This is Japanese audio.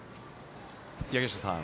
柳下さん